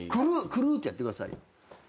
くるってやってくださいよ。